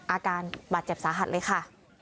อาการบาดเจ็บสาหัสเลยค่ะ